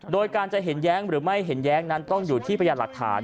โดยการจะเห็นแย้งหรือไม่เห็นแย้งนั้นต้องอยู่ที่พยานหลักฐาน